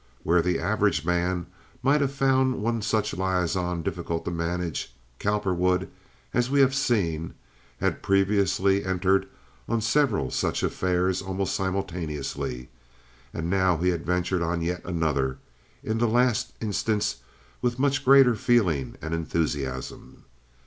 Where the average man might have found one such liaison difficult to manage, Cowperwood, as we have seen, had previously entered on several such affairs almost simultaneously; and now he had ventured on yet another; in the last instance with much greater feeling and enthusiasm.